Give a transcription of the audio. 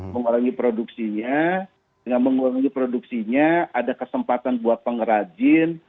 mengurangi produksinya dengan mengurangi produksinya ada kesempatan buat pengrajin